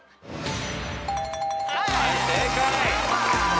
はい正解。